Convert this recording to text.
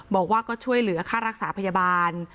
บอกว่าก็ช่วยเหลือค่ารักษาพยาบาล